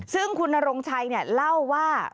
ซึ่งคุณนรงชัยเล่าว่า